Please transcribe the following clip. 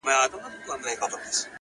زما د زړه کوتره؛